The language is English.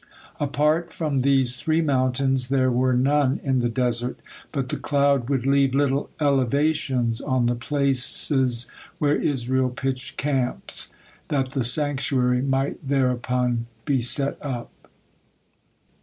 Apart from these three mountains, there were none in the desert, but the cloud would leave little elevations on the place where Israel pitched camp, that the sanctuary might thereupon be set up.